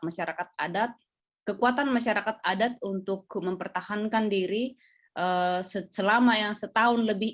masyarakat adat kekuatan masyarakat adat untuk mempertahankan diri selama yang setahun lebih